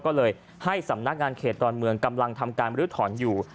ก็เลยให้สำนักงานเขตดอนเมืองกำลังทำการบรื้อถอนอยู่